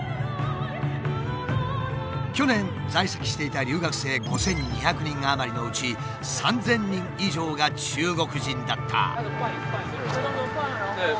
去年在籍していた留学生５，２００人余りのうち３，０００人以上が中国人だった。